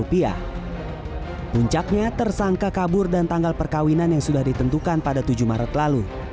puncaknya tersangka kabur dan tanggal perkawinan yang sudah ditentukan pada tujuh maret lalu